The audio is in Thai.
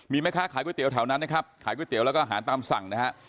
มีแม่ค้าขายก๋วยเตี๋ยแถวนั้นนะครับขายก๋วยเตี๋ยวแล้วก็อาหารตามสั่งนะฮะ